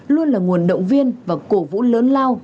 luôn là nguồn động viên và cổ vũ lớn lao